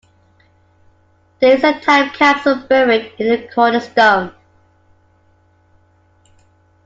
There is a time capsule buried in the cornerstone.